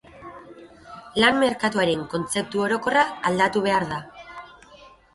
Lan merkatuaren kontzeptu orokorra aldatu behar da.